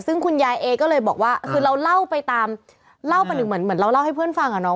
ซึ่งคุณยายเอก็เลยบอกว่าคือเราเล่าไปตามเล่าประหนึ่งเหมือนเราเล่าให้เพื่อนฟังอ่ะเนาะ